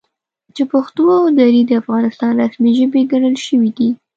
چې پښتو او دري د افغانستان رسمي ژبې ګڼل شوي دي،